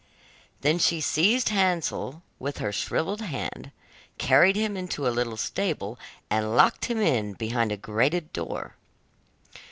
Then she seized Hansel with her shrivelled hand, carried him into a little stable, and locked him in behind a grated door.